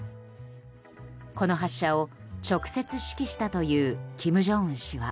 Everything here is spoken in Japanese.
この発射を直接指揮したという金正恩氏は。